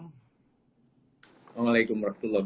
assalamualaikum wr wb